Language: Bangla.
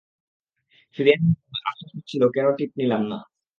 ফিরে আসার সময় আফসোস হচ্ছিল কেন টিপ নিলাম না।